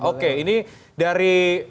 oke ini dari